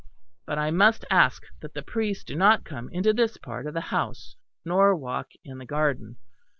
But I must ask that the priests do not come into this part of the house, nor walk in the garden.